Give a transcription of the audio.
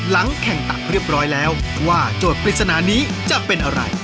เรียบร้อยแล้วว่าโดดปริศนานี้จะเป็นอะไร